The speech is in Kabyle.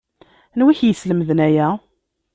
Anwa i k-yeslemden aya?